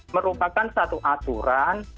merupakan satu aturan